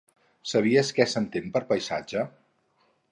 Sabies què s'entén per paisatge?